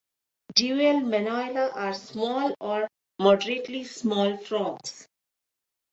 "Duellmanohyla" are small or moderately small frogs.